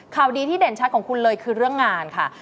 ข่าวดีที่เด่นชัดของคุณเลยคือเรื่องงานค่ะ